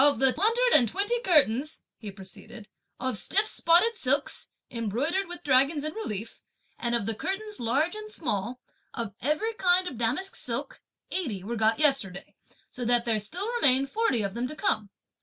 "Of the hundred and twenty curtains," he proceeded, "of stiff spotted silks, embroidered with dragons in relief, and of the curtains large and small, of every kind of damask silk, eighty were got yesterday, so that there still remain forty of them to come.